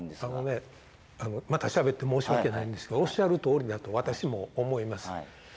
いやあのねまたしゃべって申し訳ないんですけどおっしゃるとおりだと私も思います。